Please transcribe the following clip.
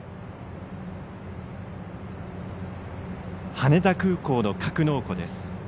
羽田空港の格納庫です。